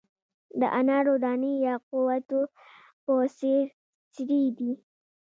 د انارو دانې د یاقوتو په څیر سرې دي.